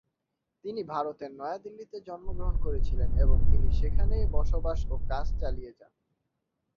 তিনি ভারতের নয়াদিল্লিতে জন্মগ্রহণ করেছিলেন এবং তিনি সেখানে বসবাস ও কাজ চালিয়ে যান।